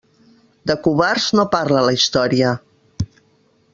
De covards no parla la Història.